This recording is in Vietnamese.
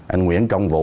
anh nguyễn công vũ